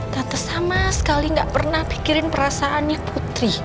kata sama sekali gak pernah pikirin perasaannya putri